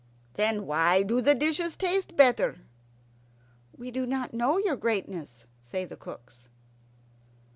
"Then why do the dishes taste better?" "We do not know, your greatness," say the cooks.